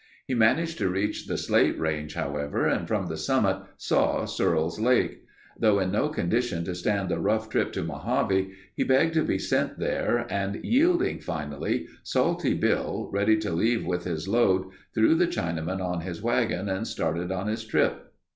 He managed to reach the Slate Range, however, and from the summit saw Searles' Lake. Though in no condition to stand the rough trip to Mojave he begged to be sent there and yielding finally, Salty Bill, ready to leave with his load, threw the Chinaman on his wagon and started on his trip.